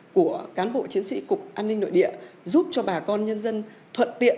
của cán bộ chiến sĩ cục an ninh nội địa giúp cho bà con nhân dân thuận tiện